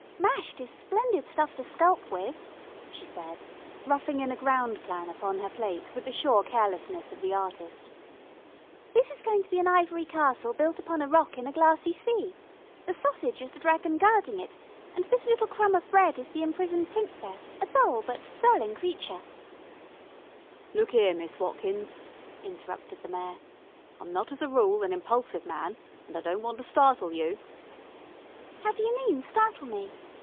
"Mashed is splendid stuff to sculp with," she said, roughing in a ground plan upon her plate with the sure carelessness of the artist. "This is going to be an ivory castle built upon a rock in a glassy sea. The sausage is the dragon guarding it, and this little crumb of bread is the emprisoned princess, a dull but sterling creature " "Look 'ere, Miss Watkins," interrupted the Mayor. "I'm not as a rule an impulsive man, and I don't want to startle you " "How d'you mean startle me?"